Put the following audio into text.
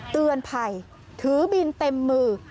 เตือนภัยถือบินเต็มมือ